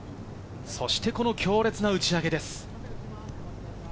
そしてこの強烈な打ち上げです。